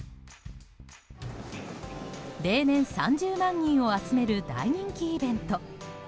例年３０万人を集める大人気イベント。